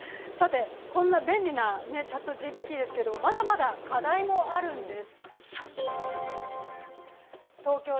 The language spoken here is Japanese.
こんな便利なＣｈａｔＧＰＴですけどまだまだ課題もあるんです。